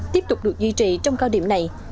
tiếp tục được duy trì trong cao điểm này